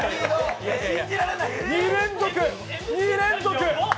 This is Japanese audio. ２連続、２連続！